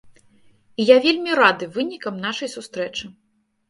І я вельмі рады вынікам нашай сустрэчы.